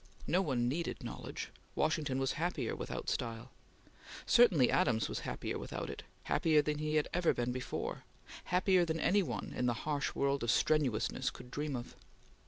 No one needed knowledge. Washington was happier without style. Certainly Adams was happier without it; happier than he had ever been before; happier than any one in the harsh world of strenuousness could dream of.